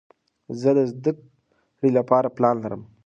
زه د زده کړې له پاره پلان لرم.